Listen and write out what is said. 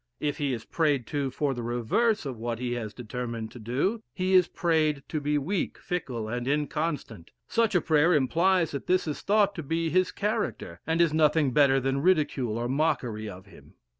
If he is prayed to for the reverse of what he has determined to do, he is prayed to be weak, fickle, and inconstant; such a prayer implies that this is thought to be his character, and is nothing better than ridicule or mockery of him.